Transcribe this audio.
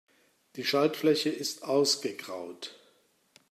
Die Schaltfläche ist ausgegraut.